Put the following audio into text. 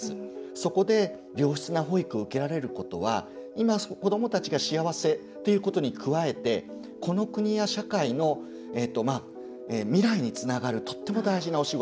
そこで良質な保育を受けられることは今、子どもたちが幸せっていうことに加えてこの国や社会の未来につながるとっても大事なお仕事。